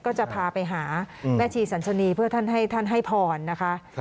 ก็จะพาไปหาแม่ชีสันสนีเพื่อท่านให้ท่านให้พรนะคะ